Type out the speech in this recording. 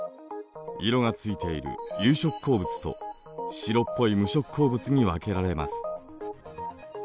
色がついている「有色鉱物」と白っぽい「無色鉱物」に分けられます。